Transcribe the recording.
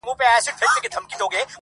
پرېږده چي نور په سره ناسور بدل سي.